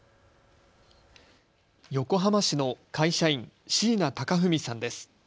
横浜市の会社員、椎名高文さんです。